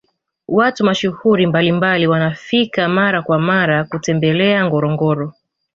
watu mashuhuri mbalimbali wanafika mara kwa mara kutembelea ngorongoro